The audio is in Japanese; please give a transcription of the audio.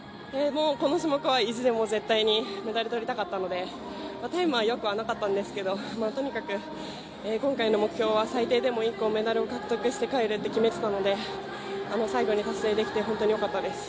この種目は意地でも絶対にメダルとりたかったのでタイムはよくなかったんですけど、とにかく今回の目標は最低でも１個、メダルを獲得して帰るって決めていたので最後に達成できて本当によかったです。